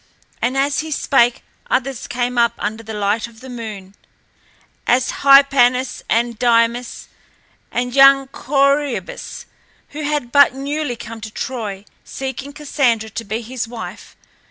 And as he spake others came up under the light of the moon, as Hypanis and Dymas and young Corœbus, who had but newly come to Troy, seeking Cassandra to be his wife.